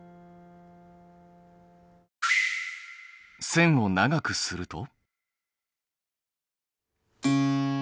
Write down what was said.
線を長くすると。